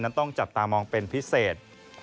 ต้องจับตามองเป็นพิเศษ